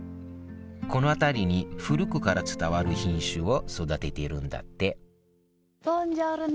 この辺りに古くから伝わる品種を育てているんだってボンジョルノ。